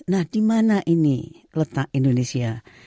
nah di mana ini letak indonesia